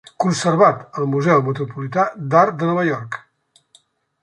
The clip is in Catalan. Conservat al Museu Metropolità d'Art de Nova York.